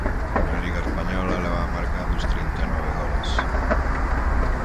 Na Liga española leva marcados trinta e nove goles.